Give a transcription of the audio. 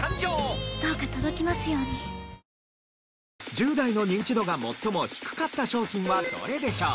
１０代のニンチドが最も低かった商品はどれでしょう？